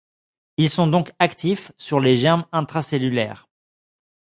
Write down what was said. Ils sont donc actifs sur les germes intracellulaires.